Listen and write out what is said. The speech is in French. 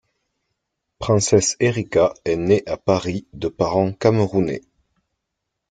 Princess Erika est née à Paris de parents camerounais.